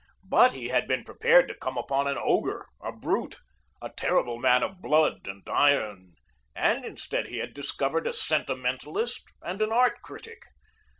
But he had been prepared to come upon an ogre, a brute, a terrible man of blood and iron, and instead had discovered a sentimentalist and an art critic.